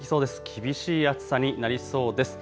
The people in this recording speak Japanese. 厳しい暑さになりそうです。